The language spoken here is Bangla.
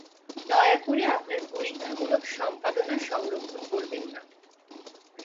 দয়া করে আপনার পরীক্ষামূলক সম্পাদনা সংরক্ষণ করবেন না।